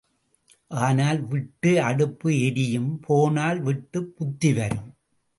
ஆனால் விட்டு அடுப்பு எரியும் போனால் விட்டுப் புத்தி வரும்.